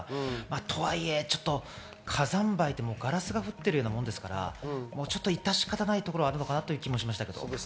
とはいえ火山灰って言ってもガラスが降ってるようなもんですから、致し方ないところはあるのかなという気がしましたけど。